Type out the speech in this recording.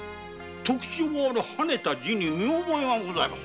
特徴ある跳ねた字に見覚えがございます。